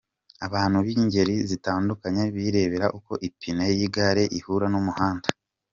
Abantu b’ingeri zitandukanye birebera uko ipine y’igare ihura n’umuhanda.